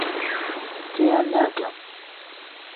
تێیان ناگەم.